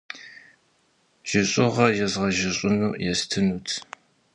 Жьыщӏыгъэ езгъэжьыщӏыну естынут.